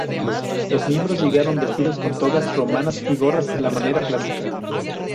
Los miembros llegaron vestidos con togas romanas y gorras, a la manera clásica.